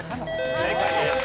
正解です。